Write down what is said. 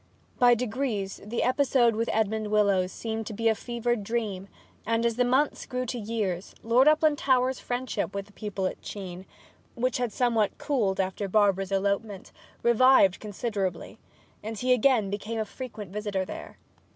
By degrees the episode with Edmond Willowes seemed but a fevered dream, and as the months grew to years Lord Uplandtowers' friendship with the people at Chene which had somewhat cooled after Barbara's elopement revived considerably, and he again became a frequent visitor there.